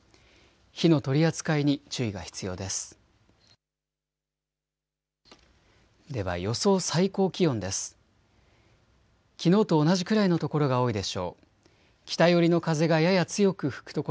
火の取り扱いに注意が必要です。